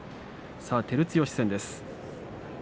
照強戦です。